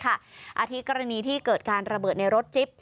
อาทิตย์กรณีที่เกิดการระเบิดในรถจิ๊บ